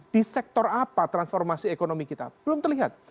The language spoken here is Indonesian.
di sektor apa transformasi ekonomi kita belum terlihat